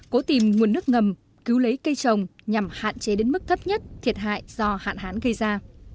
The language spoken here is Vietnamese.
cố tìm nguồn nước ngầm cứu lấy cây trồng nhằm hạn chế đến mức thấp nhất thiệt hại do hạn hán gây ra